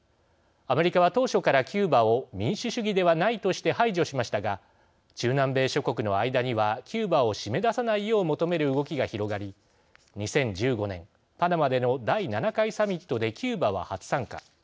アメリカは当初からキューバを民主主義ではないとして排除しましたが中南米諸国の間にはキューバを締め出さないよう求める動きが広がり、２０１５年パナマでの第７回サミットでキューバは初参加。